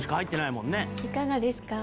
いかがですか？